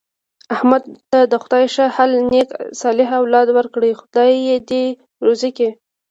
احمد ته خدای ښه حل نېک صالح اولاد ورکړی، خدای یې دې روزي کړي.